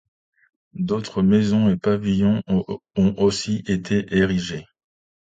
D'autres maisons et pavillons ont aussi été érigés.